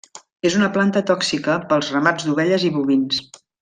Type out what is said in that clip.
És una planta tòxica pels ramats d'ovelles i bovins.